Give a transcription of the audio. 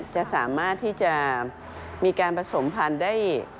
จะสามารถที่จะมีการผสมพันธุ์ได้